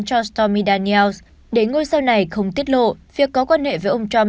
cho stormy daniels để ngôi sao này không tiết lộ việc có quan hệ với ông trump